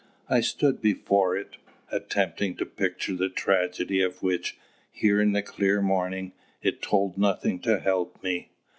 I stood before it, attempting to picture the tragedy of which, here in the clear morning, it told nothing to help me.